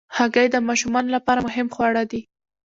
هګۍ د ماشومانو لپاره مهم خواړه دي.